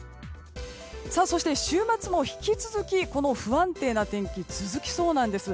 週末も引き続きこの不安定な天気が続きそうなんです。